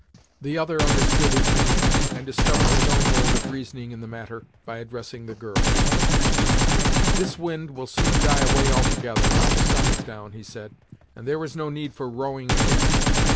The other understood his meaning, and discovered his own mode of reasoning in the matter, by addressing the girls. "This wind will soon die away altogether, now the sun is down," he said, "and there is no need for rowing ag'in it.